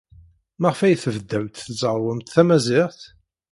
Maɣef ay tebdamt tzerrwemt tamaziɣt?